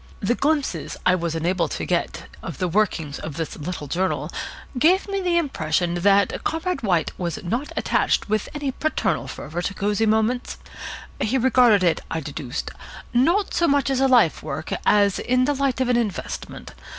The glimpses I was enabled to get of the workings of this little journal gave me the impression that Comrade White was not attached with any paternal fervour to Cosy Moments. He regarded it, I deduced, not so much as a life work as in the light of an investment.